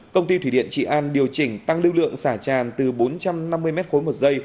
công ty thủy điện trị an điều chỉnh tăng lưu lượng xả tràn từ bốn trăm năm mươi m ba một giây